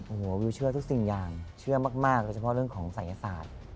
โอ้โหวิวเชื่อทุกสิ่งอย่างเชื่อมากโดยเฉพาะเรื่องของศัยศาสตร์